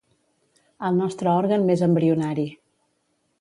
El nostre òrgan més embrionari.